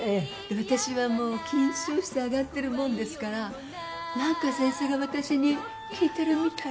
私はもう緊張して上がってるものですからなんか先生が私に聞いてるみたい。